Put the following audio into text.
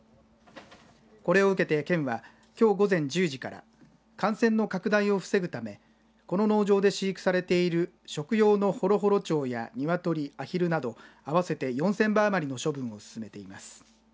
これを受けて県はきょう午前１０時から感染の拡大を防ぐためこの農場で飼育されている食用のホロホロ鳥や鶏あひるなど合わせて４０００羽余りの処分を進めています。